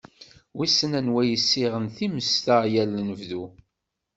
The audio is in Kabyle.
Wissen anwa yessiɣin times-a yal anebdu!